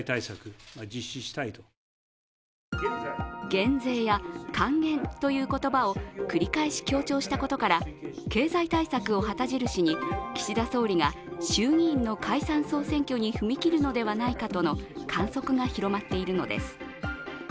減税や還元という言葉を繰り返し強調したことから、経済対策を旗印に岸田総理が衆議院の解散総選挙に踏み切るのではないかとの観測が広まっているのです。